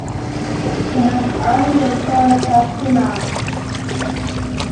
They have only a short diastema.